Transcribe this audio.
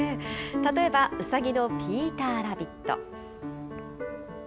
例えばうさぎのピーターラビット。